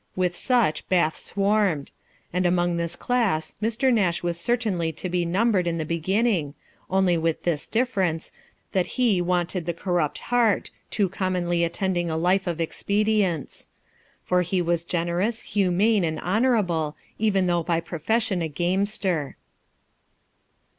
With such Bath swarmed ; and among this class Mr. Nash was certainly to be numbered in the beginning, only with this difference, that he wanted the corrupt heart, too commonly attending a life of expedients ; for he was generous, humane, and honourable, even though by profession a gamester.